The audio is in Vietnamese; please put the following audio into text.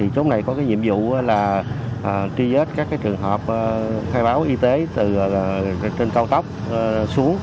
chốt này có nhiệm vụ tri vết các trường hợp khai báo y tế từ trên cao tốc xuống